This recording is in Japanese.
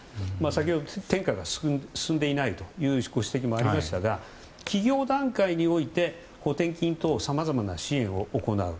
先ほど転嫁が進んでいないというご指摘もありましたが企業段階において補填金等さまざまな支援を行う。